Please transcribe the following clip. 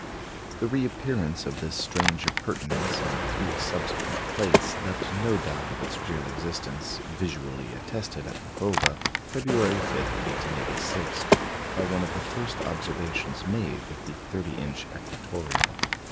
The reappearance of this strange appurtenance on three subsequent plates left no doubt of its real existence, visually attested at Pulkowa, February 5, 1886, by one of the first observations made with the 30 inch equatoreal.